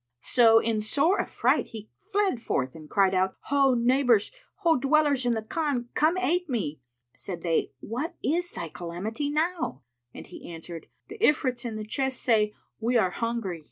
So in sore affright he fled forth and cried out, "Ho neighbours! ho dwellers in the Khan, come aid me!" Said they, "What is thy calamity now?"[FN#290] And he answered, "The Ifrits in the chest say, 'We are hungry.'"